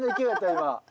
今。